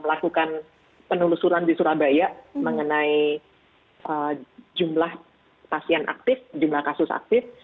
melakukan penelusuran di surabaya mengenai jumlah pasien aktif jumlah kasus aktif